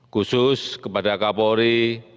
khusus kepada kapolri